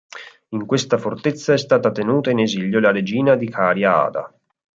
In questa fortezza è stata tenuta in esilio la regina di Caria Ada.